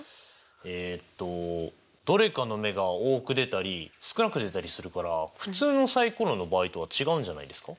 えっとどれかの目が多く出たり少なく出たりするから普通のサイコロの場合とは違うんじゃないですか？